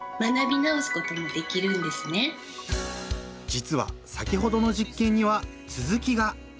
実は先ほどの実験にはつづきが！